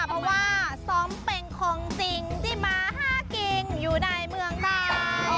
เพราะว่าซ้อมเป็นของจริงที่มาห้ากิ่งอยู่ในเมืองไทย